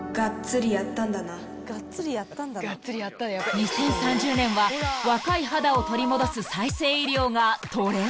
［２０３０年は若い肌を取り戻す再生医療がトレンド？］